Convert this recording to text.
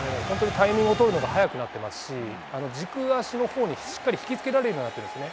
タイミングをとるのが早くなってますし軸足のほうにしっかり引き付けられるようになっていますね。